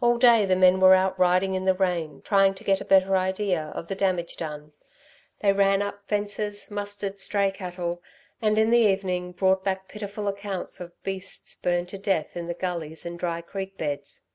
All day the men were out riding in the rain, trying to get a better idea of the damage done. They ran up fences, mustered stray cattle, and in the evening brought back pitiful accounts of beasts burned to death in the gullies and dry creek beds.